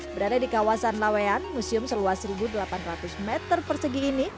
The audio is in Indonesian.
berada di kawasan laweyan museum seluas satu delapan ratus meter persegi ini